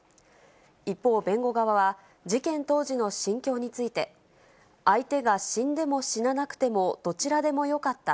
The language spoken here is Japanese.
一方、弁護側は事件当時の心境について、相手が死んでも死ななくてもどちらでもよかった。